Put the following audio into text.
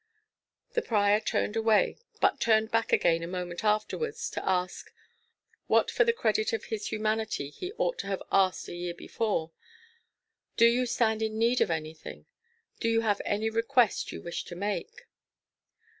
The prior turned away, but turned back again a moment afterwards, to ask what for the credit of his humanity he ought to have asked a year before "Do you stand in need of any thing? or have you any request you wish to make?"